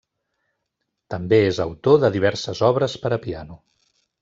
També és autor de diverses obres per a piano.